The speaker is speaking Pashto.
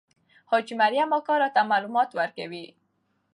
حاجي مریم اکا راته معلومات ورکوي.